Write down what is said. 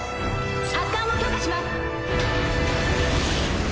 発艦を許可します。